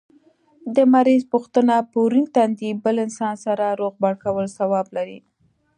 د مریض پوښتنه په ورين تندي بل انسان سره روغبړ کول ثواب لري